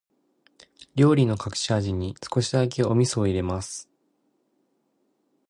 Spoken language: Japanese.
料理の隠し味に、少しだけお味噌を入れます。